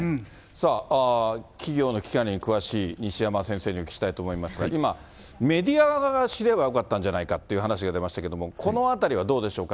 さあ、企業の危機管理に詳しい西山先生にお聞きしたいと思いますが、今、メディア側が仕切ればよかったんじゃないかって話が出ましたけども、このあたりはどうでしょうか。